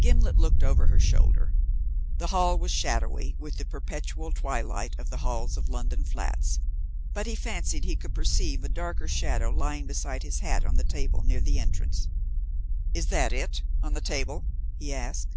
Gimblet looked over her shoulder. The hall was shadowy, with the perpetual twilight of the halls of London flats, but he fancied he could perceive a darker shadow lying beside his hat on the table near the entrance. "Is that it? On the table?" he asked.